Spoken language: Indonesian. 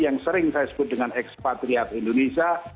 yang sering saya sebut dengan ekspatriat indonesia